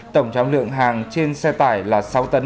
tổng trọng lượng hàng trên xe tải là sáu tấn